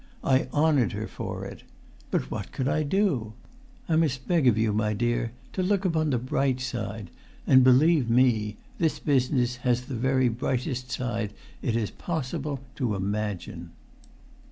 I honoured her for it. But what could I do?[Pg 304] I must beg of you, my dear, to look upon the bright side; and, believe me, this business has the very brightest side it is possible to imagine."